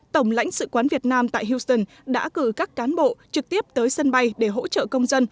tổng lãnh sự quán việt nam tại houston đã cử các cán bộ trực tiếp tới sân bay để hỗ trợ công dân